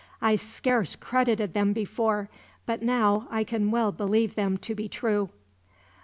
I scarce credited them before, but now I can well believe them to be true."